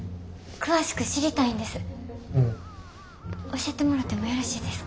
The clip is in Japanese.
教えてもらってもよろしいですか？